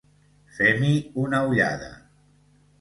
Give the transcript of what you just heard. Fem-hi una ullada!